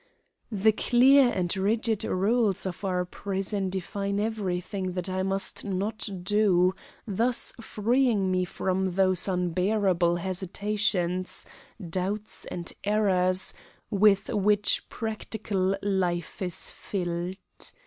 The clear and rigid rules of our prison define everything that I must not do, thus freeing me from those unbearable hesitations, doubts, and errors with which practical life is filled.